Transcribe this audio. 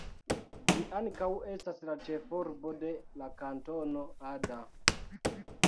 Ĝi ankaŭ estas la ĉefurbo de la Kantono Ada.